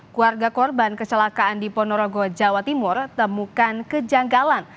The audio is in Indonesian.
keluarga korban kecelakaan di ponorogo jawa timur temukan kejanggalan